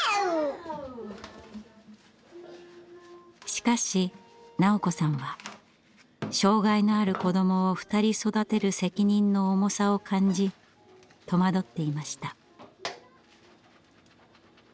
しかし斉子さんは障害のある子どもを２人育てる責任の重さを感じ戸惑っていました。